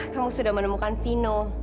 kamu sudah menemukan vino